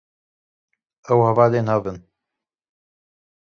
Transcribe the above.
Ew hevalên hev in